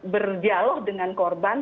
berdialog dengan korban